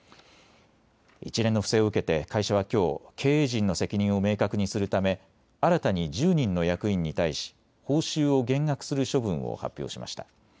一連の不正を受けて会社はきょう経営陣の責任を明確にするため新たに１０人の役員に対し報酬を減額する処分を発表しました。